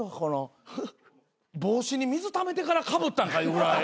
帽子に水ためてからかぶったんかいうぐらい。